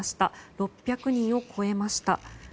６００人を超えました。